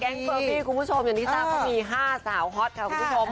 เฟอร์บี้คุณผู้ชมอย่างที่ทราบเขามี๕สาวฮอตค่ะคุณผู้ชม